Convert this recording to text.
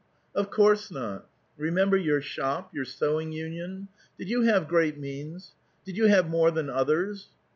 "* "Of course not. Remember your shop, your sewing union. Did you have great means? Did 30U have more than others?"